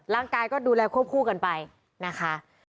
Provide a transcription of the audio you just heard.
ร่างกายก็ดูแลควบคู่กันไปนะคะ